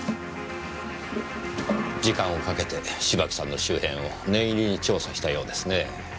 時間をかけて芝木さんの周辺を念入りに調査したようですねぇ。